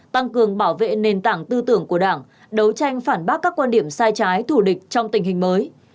tăng cường bảo vệ nền tảng tư tưởng của đảng đấu tranh phản bác các quan điểm sai trái thủ địch trong tình hình mới